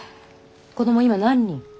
子供今何人？